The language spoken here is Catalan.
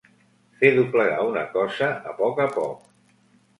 Fer doblegar una cosa a poc a poc.